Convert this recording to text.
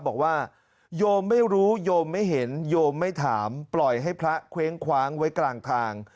บอกว่าโยมไม่รู้โยมไม่เห็นโยมไม่ถามปล่อยให้พระเคว้งคว้างไว้กลางทาง